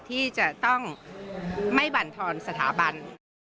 ที่จะต้องไม่บรรทอนสถาบัน